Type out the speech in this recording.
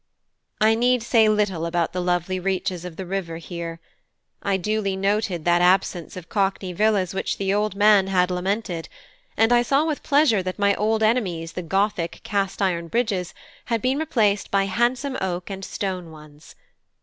I need say little about the lovely reaches of the river here. I duly noted that absence of cockney villas which the old man had lamented; and I saw with pleasure that my old enemies the "Gothic" cast iron bridges had been replaced by handsome oak and stone ones.